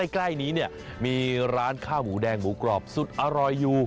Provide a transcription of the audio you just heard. ใกล้นี้เนี่ยมีร้านข้าวหมูแดงหมูกรอบสุดอร่อยอยู่